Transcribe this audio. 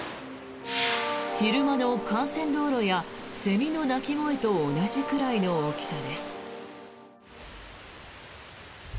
昼間の幹線道路やセミの鳴き声と同じくらいの大きさです。